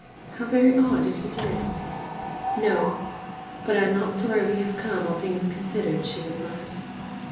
'How very odd, if you did!' 'No. But I am not sorry we have come, all things considered,' she replied.